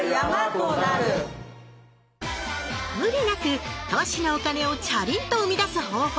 無理なく投資のお金をチャリンとうみだす方法。